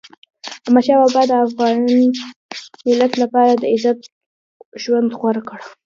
احمدشاه بابا د افغان ملت لپاره د عزت ژوند غوره کړ.